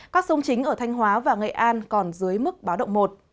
các sông chính ở thanh hóa và nghệ an còn dưới mức báo động một